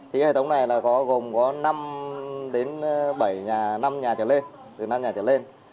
hệ thống này gồm năm bảy nhà năm nhà trở lên